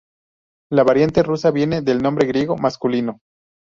La variante rusa viene del nombre griego masculino.